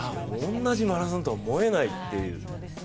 同じマラソンとは思えないっていう。